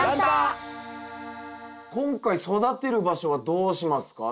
今回育てる場所はどうしますか？